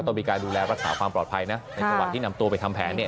ต้องมีการดูแลรักษาความปลอดภัยนะในจังหวะที่นำตัวไปทำแผนเนี่ย